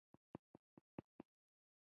شورا د اشرافو تر نفوذ لاندې وه